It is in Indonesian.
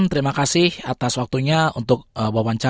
terima kasih mas untuk waktunya